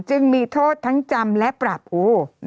จึงมีโทษทั้งจำและปรับ